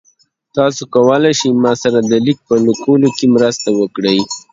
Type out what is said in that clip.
تاسو کولی شئ ما سره د لیک په لیکلو کې مرسته وکړئ؟